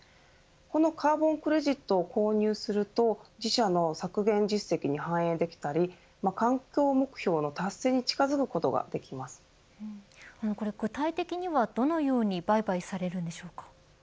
このカーボンクレジットを購入すると自社の削減実績に反映できたり環境目標の達成にこれ、具体的にはどのように売買されるんでしょうか。